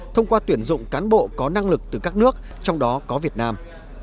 thông qua tuyển dụng cán bộ có năng lực từ các nước trong đó có việt nam